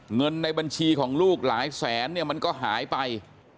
เงินในบัญชีของลูกหลายแสนเนี่ยมันก็หายไป